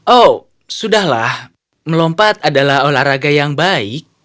oh sudah lah melompat adalah olahraga yang baik